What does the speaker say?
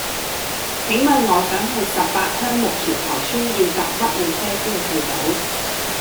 請問我想去十八鄉木橋頭村要搭乜嘢車先去到